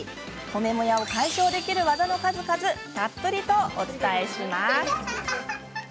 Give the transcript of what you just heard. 褒めモヤを解消できる技の数々たっぷりお伝えします。